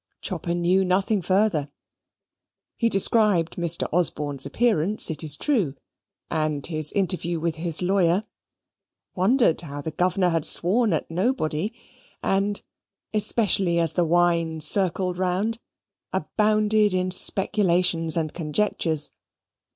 Chopper knew nothing further; he described Mr. Osborne's appearance, it is true, and his interview with his lawyer, wondered how the governor had sworn at nobody, and especially as the wine circled round abounded in speculations and conjectures.